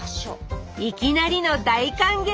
いきなりの大歓迎